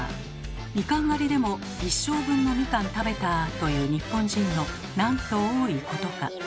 みかん狩りでも「一生分のみかん食べた」と言う日本人のなんと多いことか。